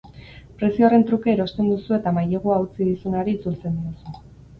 Prezio horren truke erosten duzu eta mailegua utzi dizunari itzultzen diozu.